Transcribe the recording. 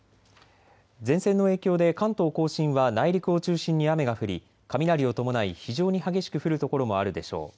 前線の影響で関東甲信は内陸を中心に雨が降り雷を伴い非常に激しく降る所もあるでしょう。